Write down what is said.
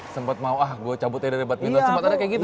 sempet mau ah gue cabut aja dari badminton sempet ada kayak gitu